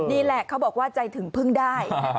นี่แหละเขาบอกว่าใจถึงพึ่งได้